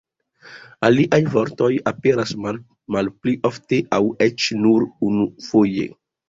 Aliaj vortoj aperas malpli ofte, aŭ eĉ nur unufoje.